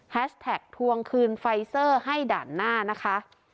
แท็กทวงคืนไฟเซอร์ให้ด่านหน้านะคะ